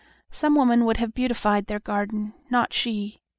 Some women would have beautified their garden: not she.